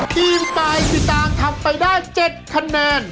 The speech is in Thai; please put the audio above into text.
ทีมไทยสุดทางทำไปได้๗คะแนน